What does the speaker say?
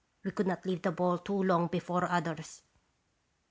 * "We could not leave the ball too long be fore others."